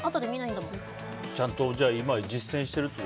ちゃんと今、実践していると。